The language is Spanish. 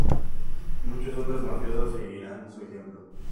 Muchos otros mafiosos seguirán su ejemplo.